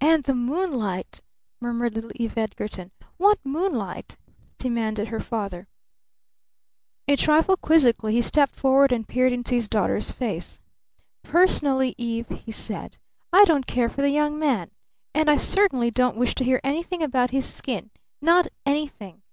"And the moonlight," murmured little Eve Edgarton. "What moonlight?" demanded her father. A trifle quizzically he stepped forward and peered into his daughter's face. "Personally, Eve," he said, "I don't care for the young man. And I certainly don't wish to hear anything about his skin. Not anything!